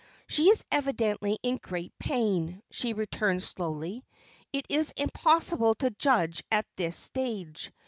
"She is evidently in great pain," she returned, slowly. "It is impossible to judge at this stage.